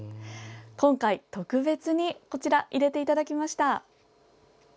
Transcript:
今回特別に入れていただきました。